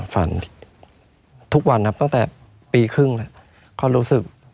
ไม่มีครับไม่มีครับ